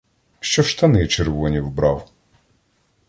Що штани червоні вбрав!